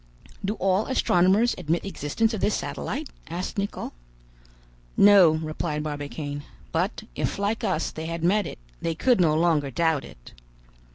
"Do all astronomers admit the existence of this satellite?" asked Nicholl. "No," replied Barbicane; "but if, like us, they had met it, they could no longer doubt it.